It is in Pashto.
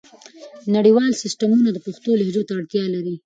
نړیوال سیسټمونه د پښتو لهجو ته اړتیا لري.